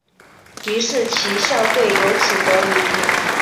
于是其校队由此得名。